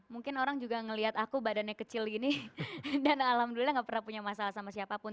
mungkin orang juga ngeliat aku badannya kecil gini dan alhamdulillah gak pernah punya masalah sama siapapun